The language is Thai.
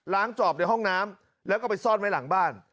จอบในห้องน้ำแล้วก็ไปซ่อนไว้หลังบ้าน